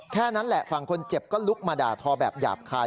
แค่นั้นแหละฝั่งคนเจ็บก็ลุกมาด่าทอแบบหยาบคาย